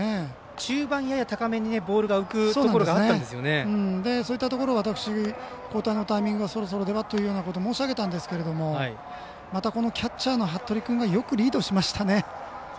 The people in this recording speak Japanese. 中盤、やや高めにボールが浮くところがそういったところ私、交代のタイミングそろそろではと申し上げたんですけどもまた、キャッチャーの服部君がよくリードしましたね。